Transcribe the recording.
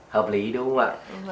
hợp lý đúng không ạ